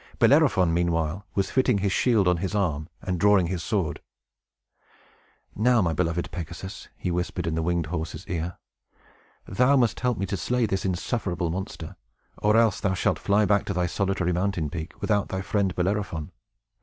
Bellerophon, meanwhile, was fitting his shield on his arm, and drawing his sword. "Now, my beloved Pegasus," he whispered in the winged horse's ear, "thou must help me to slay this insufferable monster; or else thou shalt fly back to thy solitary mountain peak without thy friend Bellerophon.